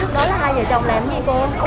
đó là hai vợ chồng lẹm gì cô